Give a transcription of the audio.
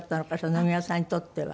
野際さんにとっては。